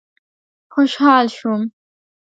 خوشحال شوم.